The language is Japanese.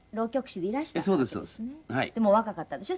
でも若かったでしょ？